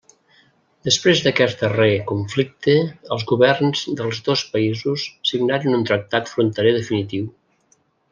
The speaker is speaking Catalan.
Després d'aquest darrer conflicte els governs dels dos països signaren un tractat fronterer definitiu.